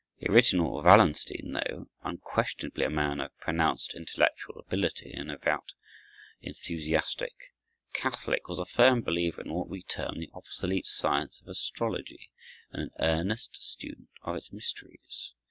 The original Wallenstein, though unquestionably a man of pronounced intellectual ability and a devout, enthusiastic Catholic, was a firm believer in what we term the obsolete science of astrology and an earnest student of its mysteries.